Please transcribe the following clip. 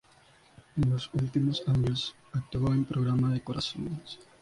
En los últimos años actuó en programas de corazón.